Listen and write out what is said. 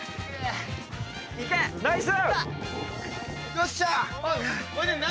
よっしゃ！